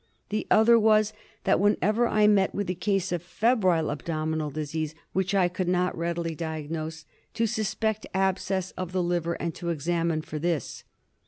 The ) other was, that whenever I met with a case of febrile abdominal disease which I could not readily diagnose, to suspect abscess of the liver and to examine for this.